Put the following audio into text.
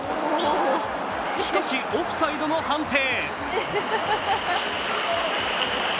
しかしオフサイドの判定。